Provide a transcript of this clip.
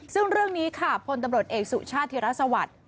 ซึ่งเรื่องนี้ค่ะพลตำรวจเอกสุชาติธิรสวัสดิ์